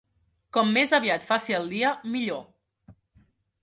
Com més aviat faci el dia, millor.